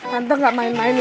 hantar enggak main main